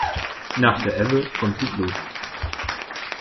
Nach der Ebbe kommt die Flut.